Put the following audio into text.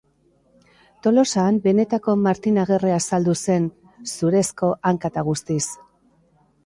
Tolosan benetako Martin Agerre azaldu zen, zurezko hanka eta guztiz.